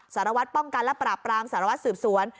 สารวัฒน์ป้องกันและปรากรรมสารวัฒน์สืบสวน